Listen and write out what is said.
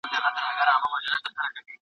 د دواړو زامنو عمرونه درې او څلور کاله دي.